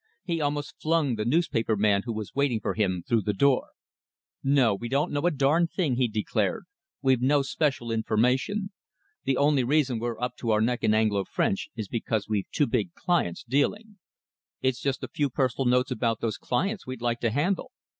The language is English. He almost flung the newspaper man who was waiting for him through the door. "No, we don't know a darned thing," he declared. "We've no special information. The only reason we're up to our neck in Anglo French is because we've two big clients dealing." "It's just a few personal notes about those clients we'd like to handle."